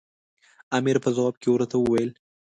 امیر په ځواب کې ورته وویل.